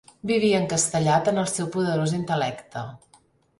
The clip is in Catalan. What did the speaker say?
Vivia encastellat en el seu poderós intel·lecte.